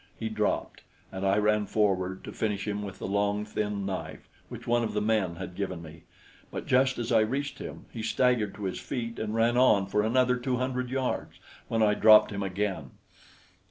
He dropped, and I ran forward to finish him with the long thin knife, which one of the men had given me; but just as I reached him, he staggered to his feet and ran on for another two hundred yards when I dropped him again.